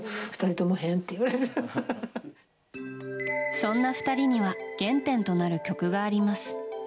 そんな２人には原点となる曲があります。